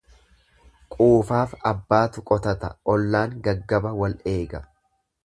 Quufaaf abbaatu qotata ollaan gaggaba wal eega.